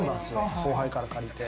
後輩から借りて。